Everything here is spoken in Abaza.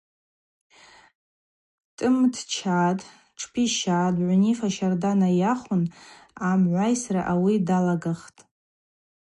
Кӏтӏым дчатӏ, тшпсищатӏ, быгӏвнифа щардагьи найахвын амгӏвайсра ауи даталагахтӏ.